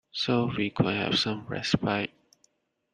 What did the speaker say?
So we could have some respite.